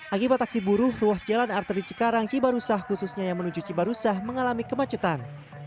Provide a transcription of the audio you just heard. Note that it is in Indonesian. akibat aksi buruh ruas jalan arteri cikarang cibarusah khususnya yang menuju cibarusah mengalami kemacetan